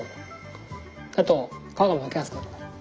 あと皮がむきやすくなる。